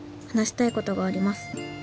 「話したいことがあります」